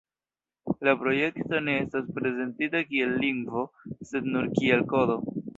La projekto ne estas prezentita kiel lingvo, sed nur kiel "kodo".